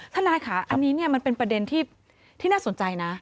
ทนายค่ะอันนี้มันเป็นประเด็นที่น่าสนใจนะ